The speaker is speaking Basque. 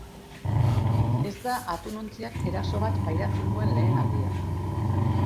Ez da atunontziak eraso bat pairatzen duen lehen aldia.